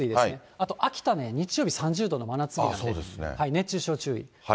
あと秋田も日曜日３０度の真夏日なので、熱中症注意。